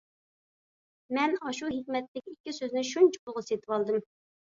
مەن ئاشۇ ھېكمەتلىك ئىككى سۆزنى شۇنچە پۇلغا سېتىۋالدىم.